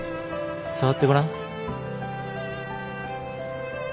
触ってごらん。